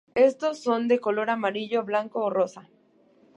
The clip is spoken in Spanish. Estos son de color amarillo, blanco o rosa.